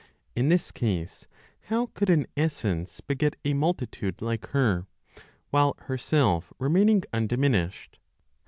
In this case, how could an essence beget a multitude like her, while herself remaining undiminished?